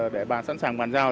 để bàn sẵn sàng bàn giao